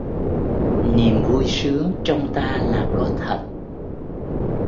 Niềm vui sướng trong ta là có thật